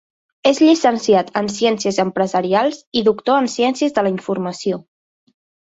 És llicenciat en ciències empresarials i doctor en ciències de la informació.